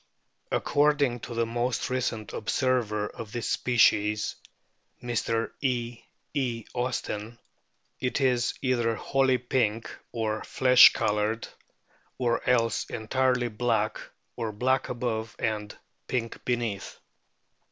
According to the most recent observer of this species, Mr. E. E. Austen,* it "is either wholly pink or flesh coloured or else entirely black, or black above and pink beneath."